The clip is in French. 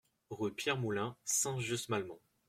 Rue Pierre Moulin, Saint-Just-Malmont